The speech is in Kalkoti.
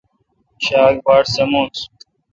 شاک باٹ سمونس